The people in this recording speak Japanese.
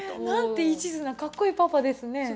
なんていちずなかっこいいパパですね。